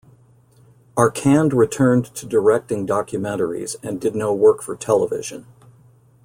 Arcand returned to directing documentaries and did no work for television.